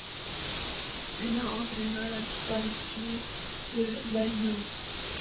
Cela entraina la disparition de l'alliance.